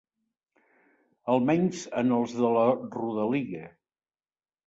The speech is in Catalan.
Almenys en els de la rodalia.